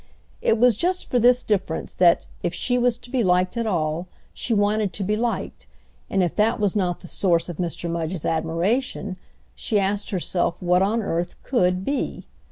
It was just for this difference that, if she was to be liked at all, she wanted to be liked, and if that was not the source of Mr. Mudge's admiration, she asked herself what on earth could be?